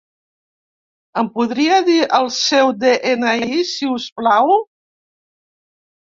Em podria dir el seu de-ena-i si us plau?